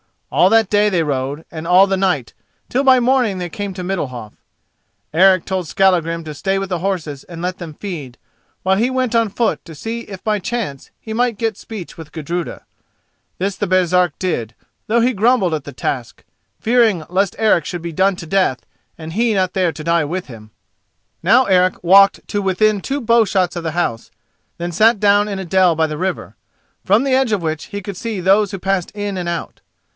All that day they rode and all the night, till by morning they came to Middalhof. Eric told Skallagrim to stay with the horses and let them feed, while he went on foot to see if by chance he might get speech with Gudruda. This the Baresark did, though he grumbled at the task, fearing lest Eric should be done to death, and he not there to die with him. Now Eric walked to within two bowshots of the house, then sat down in a dell by the river, from the edge of which he could see those who passed in and out.